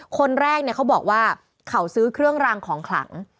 คนแรกเนี่ยเขาบอกว่าเขาซื้อเครื่องรางของขลัง